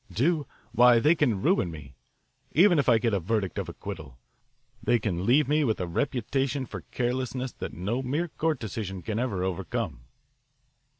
Do? Why, they can ruin me, even if I get a verdict of acquittal. They can leave me with a reputation for carelessness that no mere court decision can ever overcome."